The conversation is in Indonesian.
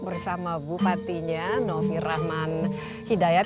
bersama bupatinya novi rahman hidayat